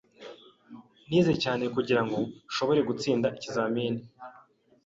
Nize cyane kugirango nshobore gutsinda ikizamini.